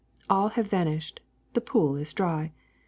All have vanished. The pool is dry.